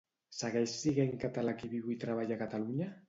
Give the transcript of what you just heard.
Segueix siguent català qui viu i treballa a Catalunya?